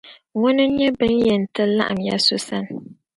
Ŋuna n-nyɛ bɛ ni yɛn ti laɣim ya So sani.